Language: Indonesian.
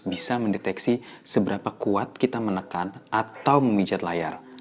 bisa mendeteksi seberapa kuat kita menekan atau memijat layar